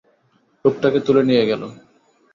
লোকটাকে তুলে নিয়ে গেল।